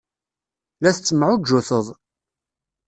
La tettemɛujjuted.